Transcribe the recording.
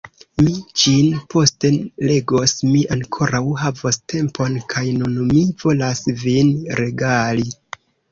Mi ĝin poste legos, mi ankoraŭ havos tempon, kaj nun mi volas vin regali.